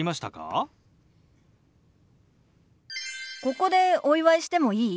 ここでお祝いしてもいい？